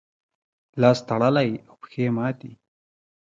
لاس تړلی او پښې ماتې.